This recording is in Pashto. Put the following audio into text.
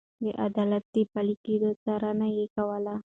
د عدالت د پلي کېدو څارنه يې کوله.